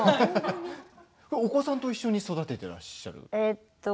お子さんと一緒に育てていらっしゃるんですか。